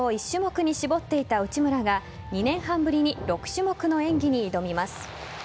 １種目に絞っていた内村が２年半ぶりに６種目の演技に挑みます。